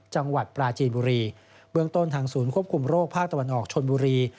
จังหวัดปราจีนบุรีเบื้องต้นทางศูนย์ควบคุมโรคภาคตะวันออกชนบุรี